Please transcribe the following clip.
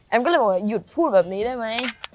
ก็เลยบอกว่าหยุดพูดแบบนี้ได้ไหม